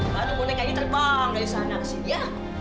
bantu bonek ini terbang dari sana ke sini ya